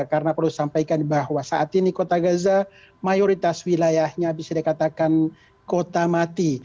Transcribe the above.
karena perlu sampaikan bahwa saat ini kota gaza mayoritas wilayahnya bisa dikatakan kota mati